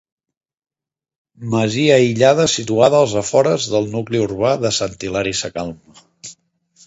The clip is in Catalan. Masia aïllada situada als afores del nucli urbà de Sant Hilari Sacalm.